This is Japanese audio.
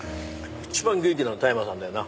一番元気なの田山さんだよな。